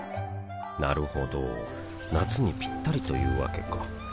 なるほど夏にピッタリというわけか